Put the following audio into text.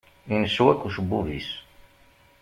Incew akk ucebbub-is.